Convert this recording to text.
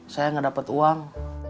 saya ngedapet uang